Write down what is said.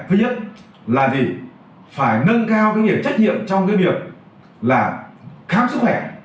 thứ nhất là gì phải nâng cao cái việc trách nhiệm trong cái việc là khám sức khỏe